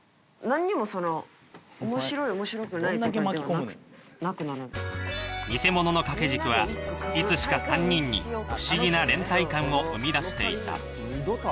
なんにも、おもしろい、偽物の掛け軸は、いつしか３人に不思議な連帯感を生みだしていた。